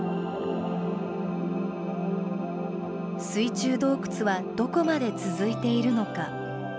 水中洞窟はどこまで続いているのか。